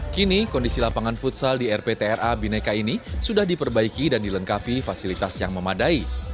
kini kondisi lapangan futsal di rptra bineka ini sudah diperbaiki dan dilengkapi fasilitas yang memadai